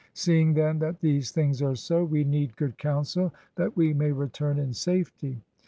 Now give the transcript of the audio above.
Seeing then that these things are so, we need good counsel that we may return in safety."